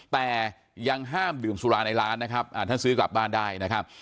แต่ยังห้ามดื่มสุราในร้านนะครับท่านซื้อกลับบ้านได้นะครับ